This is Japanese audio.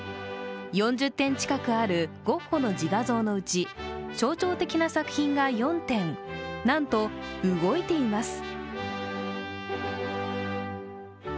４０点近くあるゴッホの自画像のうち、象徴的な作品が４点、なんと、動いています！